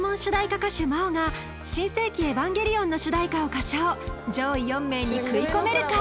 歌手ｍａｏが「新世紀エヴァンゲリオン」の主題歌を歌唱上位４名に食い込めるか？